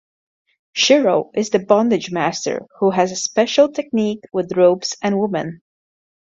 Shiro is the Bondage Master who has a special technique with ropes and women.